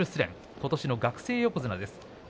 今年の学生横綱です。